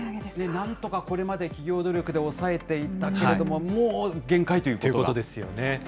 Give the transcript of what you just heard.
なんとかこれまで企業努力で抑えていたけれども、ということですよね。